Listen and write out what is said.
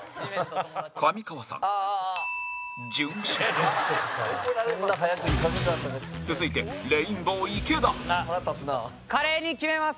上川さん、殉職続いて、レインボー池田池田：華麗に決めます。